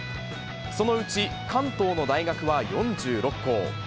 そのうち関東の大学は４６校。